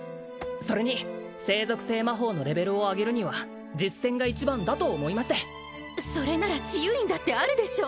それに聖属性魔法のレベルを上げるには実践が一番だと思いましてそれなら治癒院だってあるでしょ